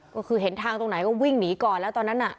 ก็คือเห็นทางตรงไหนก็วิ่งหนีก่อนแล้วตอนนั้นน่ะ